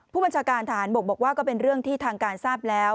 ผู้บัญชาการฐานบกบอกว่าก็เป็นเรื่องที่ทางการทราบแล้ว